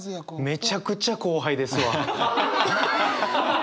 めちゃくちゃ後輩ですわ。